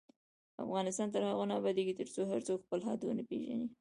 افغانستان تر هغو نه ابادیږي، ترڅو هر څوک خپل حد ونه پیژني.